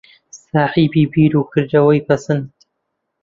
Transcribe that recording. ساحێبی بیر و کردەوەی پەسەند